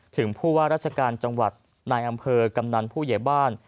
ถึงผู้ว่าราชการจังหวัดนายอำเภอกำนันผู้ใหญ่บ้าน